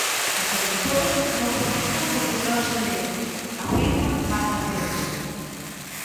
"As editoras non publican porque non se le", afirma Marta Pérez.